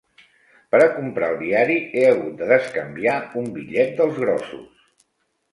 Per a comprar el diari he hagut de descanviar un bitllet dels grossos.